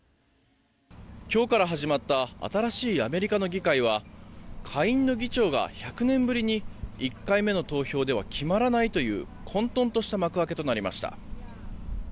今日から始まった新しいアメリカの議会は下院の議長が１００年ぶりに１回目の投票では決まらないという混沌とした幕開けとなりました。